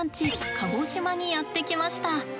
鹿児島にやって来ました。